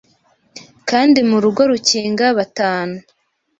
kandi mu rugo rukinga batanu